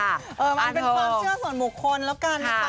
มันเป็นความเชื่อส่วนบุคคลแล้วกันนะคะ